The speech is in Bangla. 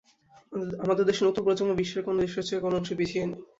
আমাদের দেশের নতুন প্রজন্ম বিশ্বের কোনো দেশের চেয়ে কোনো অংশে পিছিয়ে নেই।